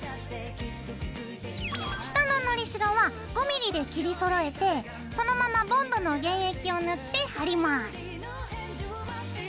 下ののりしろは５ｍｍで切りそろえてそのままボンドの原液を塗って貼ります。